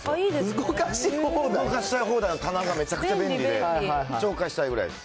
動かしたい放題の棚がめちゃくちゃ便利で、紹介したいぐらいです。